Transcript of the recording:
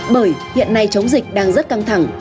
bởi hiện nay chống dịch đang rất căng thẳng